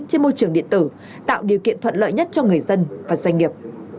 trên môi trường điện tử tạo điều kiện thuận lợi nhất cho người dân và doanh nghiệp